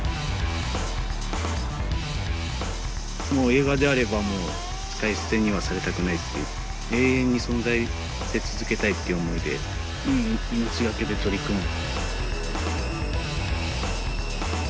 映画であればもう使い捨てにはされたくないっていう永遠に存在させ続けたいっていう思いで命がけで取り組む。